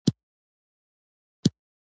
د کمزورو سره مرسته وکړه کله چې قوي یاست.